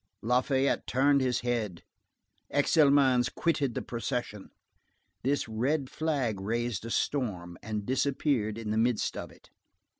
Lafayette turned aside his head. Exelmans quitted the procession. This red flag raised a storm, and disappeared in the midst of it.